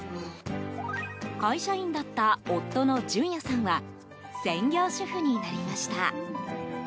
会社員だった夫の純哉さんは専業主夫になりました。